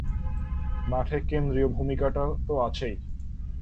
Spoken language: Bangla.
মাঠে কেন্দ্রীয় ভূমিকাটা তো আছেই।